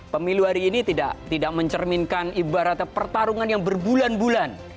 pemilu hari ini tidak mencerminkan ibaratnya pertarungan yang berbulan bulan